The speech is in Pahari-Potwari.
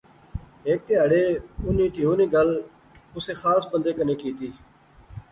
ہیک تہاڑے اُنی تہوں نی گل کُسے خاص بندے کنے کیتی